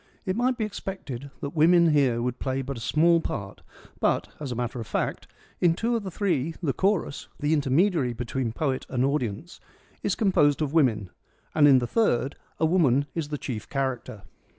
It might be expected that women here would play but a small part, but, as a matter of fact, in two of the three the chorus, the intermediary between poet and audience, is composed of women, and in the third a woman is the chief character.